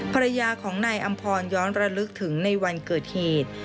ภรรยาของนายอำพรย้อนระลึกถึงในวันเกิดเหตุ